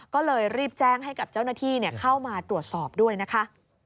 ก็เลยรีบแจ้งให้กับเจ้าหน้าที่เข้ามาตรวจสอบด้วยนะคะ